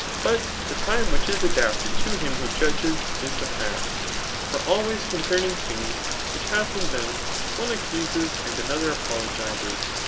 But the time which is adapted to him who judges, is the past ; for ahraq^s concerning things which have been done, one accuses, and another apologizes.